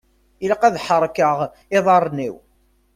Ilaq ad ḥerkeɣ iḍaṛṛen-iw.